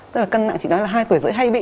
tức là cân nặng chị nói là hai tuổi rưỡi hay bị